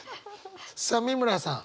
さあ美村さん